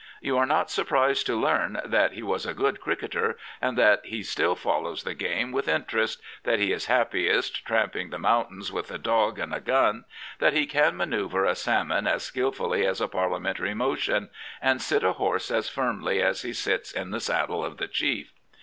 You are not surprised to learn that he was a good cricketer and that he still follows the game with interest, that he is happiest tramping the moun tains with a dog and a gun, that he can manoeuvre a salmon as skilfully as a Parliamentary motion, and sit a horse as firmly as he sits in the saddle of the chief.